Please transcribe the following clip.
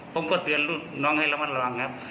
ผมเตือนให้ระมัดระวังครับ